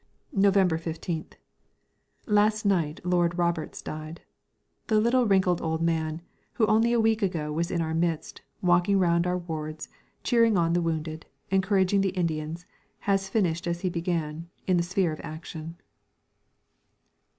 November 15th. Last night Lord Roberts died. The little wrinkled old man, who only a week ago was in our midst, walking round our wards, cheering on the wounded, encouraging the Indians, has finished as he began, in the sphere of action.